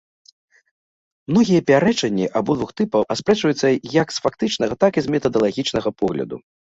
Многія пярэчанні абодвух тыпаў аспрэчваюцца як з фактычнага, так і з метадалагічнага погляду.